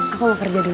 aku mau kerja dulu